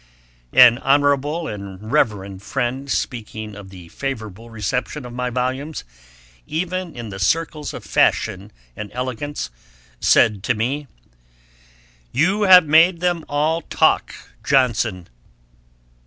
An honourable and reverend friend speaking of the favourable reception of my volumes, even in the circles of fashion and elegance, said to me, 'you have made them all talk Johnson.'